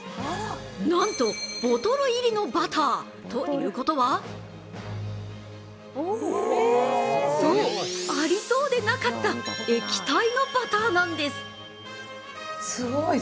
なんと、ボトル入りのバター！ということはそう、ありそうでなかった液体のバターなんです。